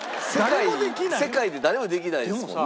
世界で誰もできないですもんね。